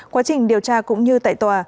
quá trình điều tra cũng như tại tòa